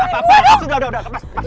pak sudah udah lepas